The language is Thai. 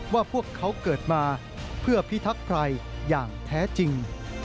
ว่าพวกเขาเกิดมาเพื่อพิทักษ์ภัยอย่างแท้จริง